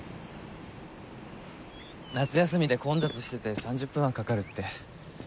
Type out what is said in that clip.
夏休みで混雑してて３０分はかかるって。